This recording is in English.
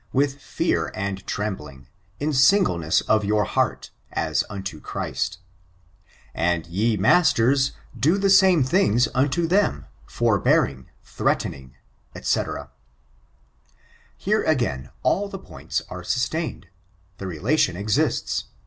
I fear and trembling, in singleness of your heart, as imto Christ ••* And ye masters, do the same things unto them; forbearing threatening,'* &c. Here, again, all the points are sustained. The relation exists.